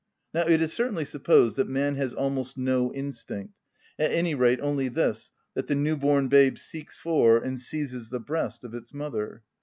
Now it is certainly supposed that man has almost no instinct; at any rate only this, that the new‐born babe seeks for and seizes the breast of its mother.